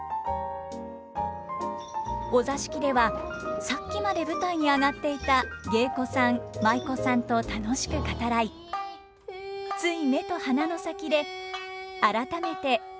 お座敷ではさっきまで舞台に上がっていた芸妓さん舞妓さんと楽しく語らいつい目と鼻の先で改めて艶やかな芸を愛でる。